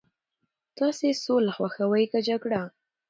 تاسي سوله خوښوئ که جګړه؟